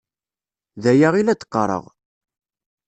D aya i la d-qqareɣ.